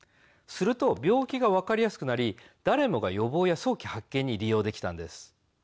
すると病気がわかりやすくなりだれもが予防や早期発見に利用できたんです。